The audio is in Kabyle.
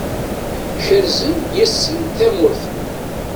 Kerzen yes-sen tamurt.